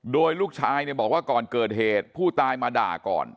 โดยลูกชายเนี่ยบอกว่าก่อนเกิดเหตุผู้ตายมาด่าก่อน